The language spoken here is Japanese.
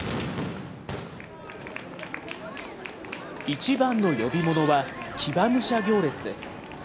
一番の呼び物は騎馬武者行列です。